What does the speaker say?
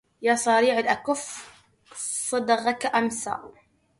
يا صريع الأكف صدغك أمسى